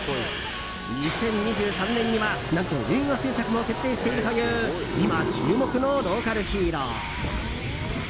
２０２３年には、何と映画制作も決定しているという今、注目のローカルヒーロー。